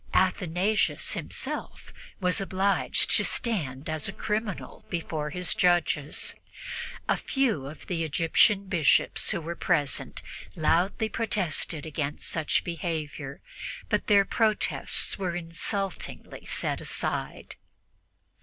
Athanasius himself was obliged to stand as a criminal before his judges. A few of the Egyptian Bishops who were present loudly protested against such behavior, but their protests were insultingly set aside.